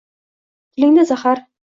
Tilingda zahar